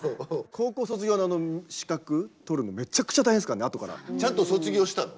高校卒業の資格取るのめちゃくちゃ大変ですからねあとから。ちゃんと卒業したの？